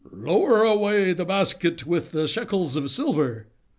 "Lower away the basket with the shekels of silver!"